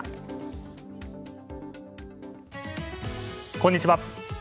こんにちは。